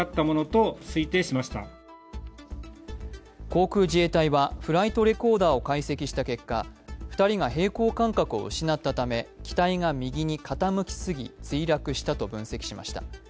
航空自衛隊はフライトレコーダーを解析した結果、２人が平衡感覚を失ったため、機体が右に傾きすぎ墜落したと分析しました。